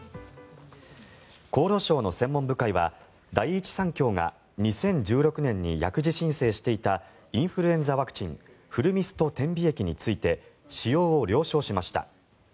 厚労省の専門部会は第一三共が２０１６年に薬事申請していたインフルエンザワクチンフルミスト点鼻液について使用を了承しました。